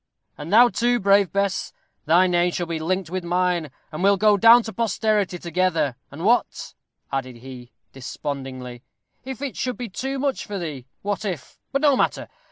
And thou, too, brave Bess! thy name shall be linked with mine, and we'll go down to posterity together; and what," added he, despondingly, "if it should be too much for thee? what if but no matter!